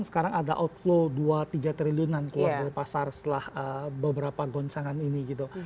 sekarang ada outflow dua tiga triliunan keluar dari pasar setelah beberapa goncangan ini gitu